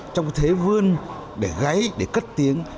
trong cái thế vươn để gáy để cất tiếng